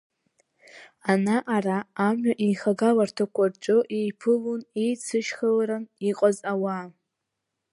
Ана-ара амҩа еихагаларҭақәа рҿы еиԥылон еицышьхыларан иҟаз ауаа.